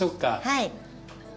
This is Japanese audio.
はい。